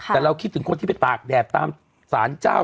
แต่เราคิดว่ากินคนที่ไปตากแดบตามสานเจ้า